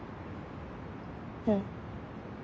うん。